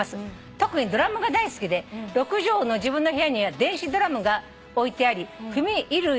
「特にドラムが大好きで６畳の自分の部屋には電子ドラムが置いてあり踏み入る余地もないくらいです」